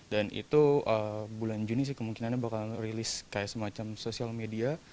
dan itu bulan juni sih kemungkinannya bakal rilis kayak semacam sosial media